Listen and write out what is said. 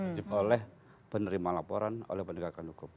wajib oleh penerima laporan oleh penegakan hukum